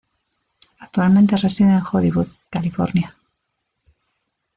Actualmente reside en Hollywood California.